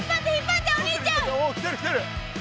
来てる来てる。